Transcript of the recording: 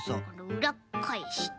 うらっかえして。